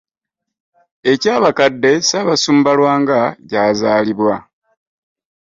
E Kyabakadde, Ssaabasumba Lwanga gy'azaalibwa.